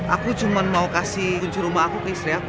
aku cuma mau kasih kunci rumah aku ke istri aku